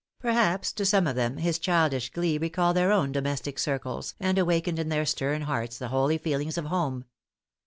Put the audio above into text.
Perhaps to some of them his childish glee recalled their own domestic circles, and awakened in their stern hearts the holy feelings of home.